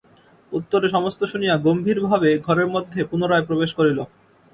উত্তরে সমস্ত শুনিয়া গম্ভীর-ভাবে ঘরের মধ্যে পুনরায় প্রবেশ করিল।